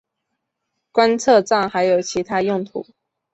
观测站还有其它用途。